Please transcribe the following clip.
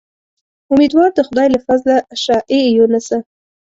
امیدوار د خدای له فضله شه اې یونسه.